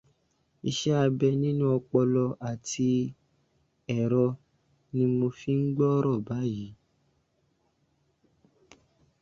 Iṣẹ́ abẹ nínú ọpọlọ àti ẹ̀rọ ni mo fi ń gbọ́ ọ̀rọ̀ báyìí.